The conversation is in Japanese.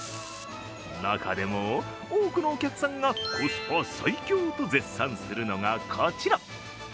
中でも、多くのお客さんがコスパ最強と絶賛するのがこちら。